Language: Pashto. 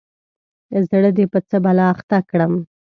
زه دي په څه بلا اخته کړم ؟